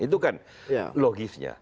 itu kan logisnya